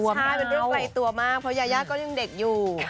ไม่ได้เป็นเรื่องไกลตัวมากเพราะยายาก็ยังเด็กอยู่